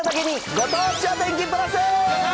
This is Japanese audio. ご当地お天気プラス。